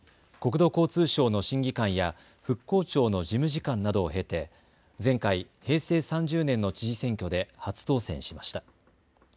国土交通省の審議官や復興庁の事務次官などを経て、前回・平成３０年の知事選挙で初当選しました。